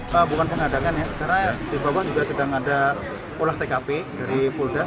bukan penghadangan ya karena di bawah juga sedang ada pola tkp dari pulda